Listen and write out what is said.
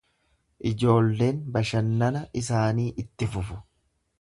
Ijoolleen bashannana isaanii itti fufu.